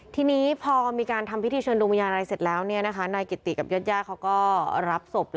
ทีนี้พอมีการทำพิธีเชิญดวงวิญญาณอะไรเสร็จแล้วนายกิติกับญาติเขาก็รับศพ